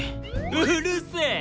うるせえ！